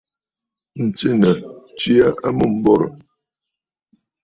Ǹtsena tswe aa amûm m̀borǝ̀.